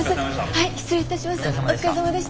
はい失礼いたします。